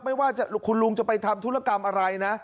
ไม่ว่าคุณลุงจะไปทำธุรกรรมอะไรนะ